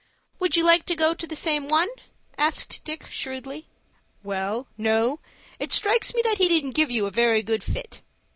"Would you like to go to the same one?" asked Dick, shrewdly. "Well, no; it strikes me that he didn't give you a very good fit."